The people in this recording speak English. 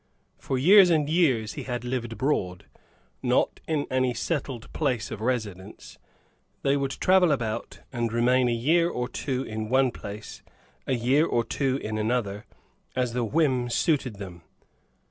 For years and years he had lived abroad not in any settled place of residence: they would travel about, and remain a year or two in one place, a year or two in another, as the whim suited them.